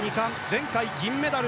前回銀メダル。